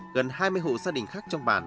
gần hai mươi hộ gia đình khác trong bản